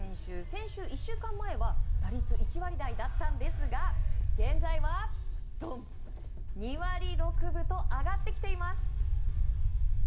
先週１週間前は打率１割台だったんですが現在は２割６分と上がってきています。